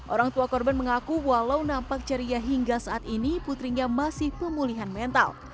orang tua korban mengaku walau nampak ceria hingga saat ini putrinya masih pemulihan mental